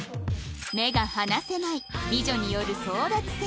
目が離せない美女による争奪戦